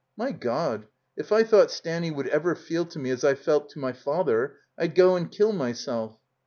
My God! If I thought Stanny would ever feel to me as I felt to my father, I'd go and kill myself."